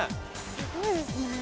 すごいですね。